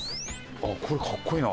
あっこれかっこいいな。